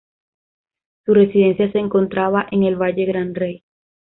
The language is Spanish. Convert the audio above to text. Su residencia se encontraba en el Valle Gran Rey.